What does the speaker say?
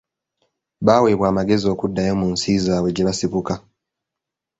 Baaweebwa amagezi okuddayo mu nsi zaabwe gye basibuka.